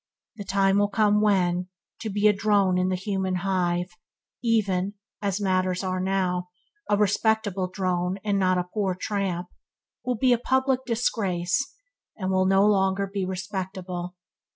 The time will come when, to be a drone in the human hive, even (as matters are now) a respectable drone and not a poor tramp, will be a public disgrace, and will be no longer respectable.